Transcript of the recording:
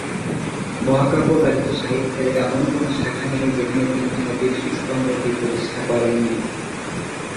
মহাকাব্য ব্যতীত সাহিত্যের এমন কোন শাখা নেই যেখানে তিনি খ্যাতির স্তম্ভটি প্রতিষ্ঠা করেননি।